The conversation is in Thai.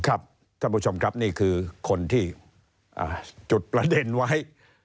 ท่านผู้ชมครับนี่คือคนที่จุดประเด็นไว้